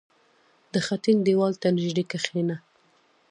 • د خټین دیوال ته نژدې کښېنه.